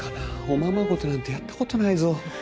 おままごとなんてやった事ないぞ。